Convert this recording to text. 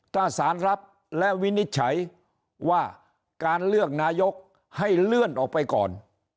ถ้าสารรับและวินิจฉัยว่าการเลือกนายกให้เลื่อนออกไปก่อน